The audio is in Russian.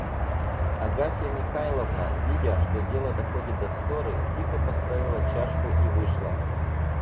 Агафья Михайловна, видя, что дело доходит до ссоры, тихо поставила чашку и вышла.